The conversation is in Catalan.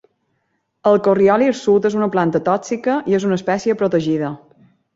El corriol hirsut és una planta tòxica i és una espècie protegida.